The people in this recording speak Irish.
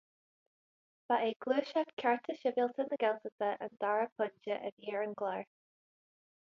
Ba é Gluaiseacht Cearta Sibhialta na Gaeltachta an dara pointe a bhí ar an gclár.